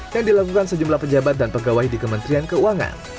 yang dilakukan sejumlah pejabat dan pegawai di kementerian keuangan